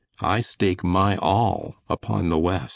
I stake my all upon the West."